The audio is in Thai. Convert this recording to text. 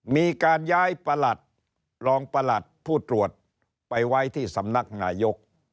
มีการย้ายประหลัดรองประหลัดผู้ตรวจไปไว้ที่สำนักนายก